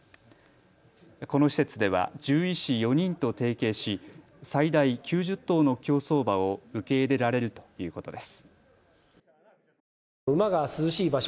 この施設では獣医師４人と提携し最大９０頭の競走馬を受け入れられるということです。